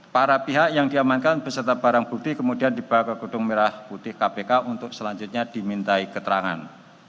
para pihak yang diamankan beserta barang bukti kemudian dibawa ke gedung merah putih kpk untuk selanjutnya dimintai keterangan